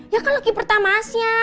ya kan lagi pertama asnya